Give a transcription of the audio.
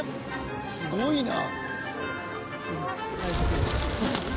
すごいな！